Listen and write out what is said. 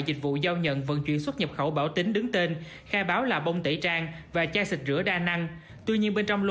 dịch vụ giao nhận vận chuyển xuất nhập khẩu bảo tín